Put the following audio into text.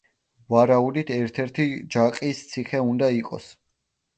ვარაუდით ერთ-ერთი ჯაყის ციხე უნდა იყოს.